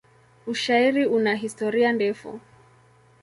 Ushairi una historia ndefu.